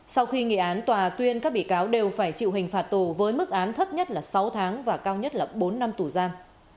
sau khi nghị án tòa tuyên các bị cáo đều phải chịu hình phạt tù với mức án thấp nhất là sáu tháng và cao nhất là bốn năm tù giam